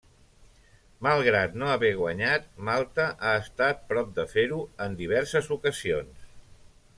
Malgrat no haver guanyat, Malta ha estat prop de fer-ho en diverses ocasions.